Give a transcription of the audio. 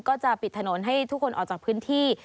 ก็จะปิดถนนให้ทุกคนออกจากพื้นที่